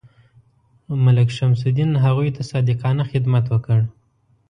ملک شمس الدین هغوی ته صادقانه خدمت وکړ.